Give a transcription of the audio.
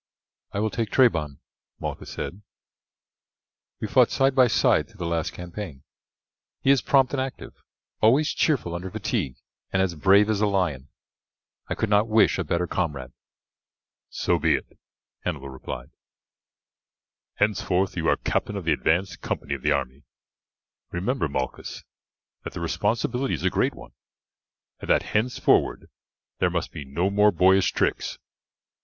"I will take Trebon," Malchus said; "we fought side by side through the last campaign. He is prompt and active, always cheerful under fatigue, and as brave as a lion. I could not wish a better comrade." "So be it," Hannibal replied, "henceforth you are captain of the advanced company of the army. Remember, Malchus, that the responsibility is a great one, and that henceforward there must be no more boyish tricks.